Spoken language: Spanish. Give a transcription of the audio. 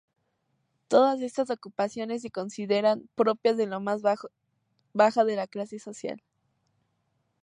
Todas estas ocupaciones se consideraban propias de la más baja clase social.